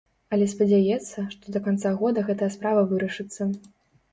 Але спадзяецца, што да канца года гэтая справа вырашыцца.